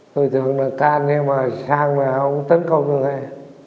tôi tưởng là can nhưng mà sang là ông tấn công được rồi